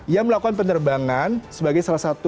ia melakukan penerbangan sebagai salah satu